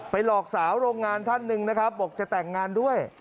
หลอกสาวโรงงานท่านหนึ่งนะครับบอกจะแต่งงานด้วย